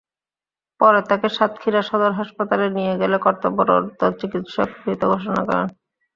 পরে তাঁকে সাতক্ষীরা সদর হাসপাতালে নিয়ে গেলে কর্তব্যরত চিকিৎসক মৃত ঘোষণা করে।